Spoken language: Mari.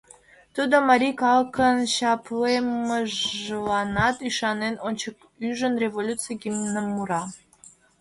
Тудо, марий калыкын чаплеммыжланат ӱшанен, ончык ӱжын, революций гимным мура.